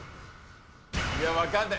いや分かんない。